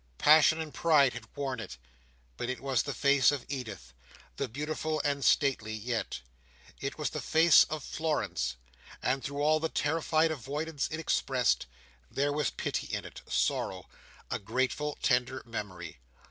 Passion and pride had worn it, but it was the face of Edith, and beautiful and stately yet. It was the face of Florence, and through all the terrified avoidance it expressed, there was pity in it, sorrow, a grateful tender memory.